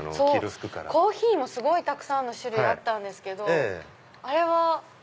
コーヒーもたくさんの種類あったんですけどあれは。